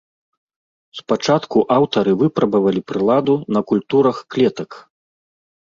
Спачатку аўтары выпрабавалі прыладу на культурах клетак.